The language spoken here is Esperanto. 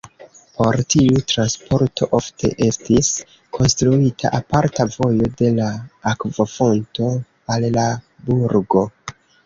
Por tiu transporto ofte estis konstruita aparta vojo de la akvofonto al la burgo.